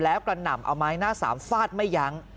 แล้วกระหน่ำเอาไม้หน้าสามฟาดไม่ยั้ง